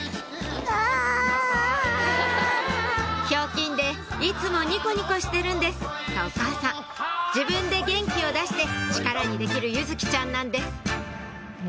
「ひょうきんでいつもニコニコしてるんです」とお母さん自分で元気を出して力にできる柚來ちゃんなんです